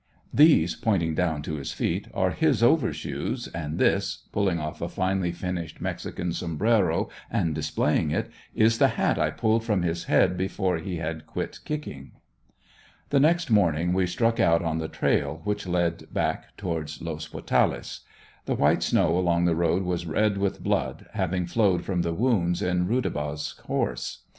'These,' pointing down to his feet, 'are his over shoes, and this' pulling off a finely finished mexican sombraro and displaying it, "is the hat I pulled from his head before he had quit kicking." The next morning we struck out on the trail which led back towards Los Potales. The white snow along the trail was red with blood, having flowed from the wounds in Rudabaugh's horse.